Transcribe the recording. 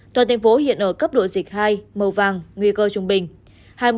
toàn thành phố hiện ở cấp độ dịch hai màu vàng nguy cơ trung bình